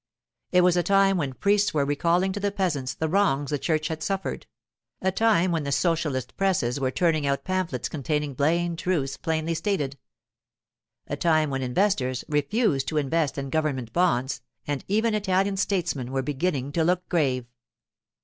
It was a time when priests were recalling to the peasants the wrongs the church had suffered; a time when the socialist presses were turning out pamphlets containing plain truths plainly stated; a time when investors refused to invest in government bonds, and even Italian statesmen were beginning to look grave.